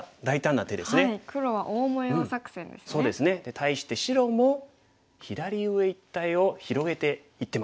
対して白も左上一帯を広げていってます。